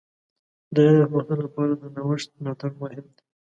د علم د پرمختګ لپاره د نوښت ملاتړ مهم دی.